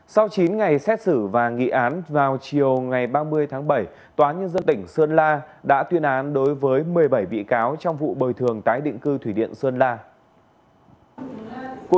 sau chín ngày xét xử và nghị án vào chiều ngày ba mươi tháng bảy tòa nhân dân tỉnh sơn la đã tuyên án đối với một mươi bảy vị cáo trong vụ bồi thường tái định cư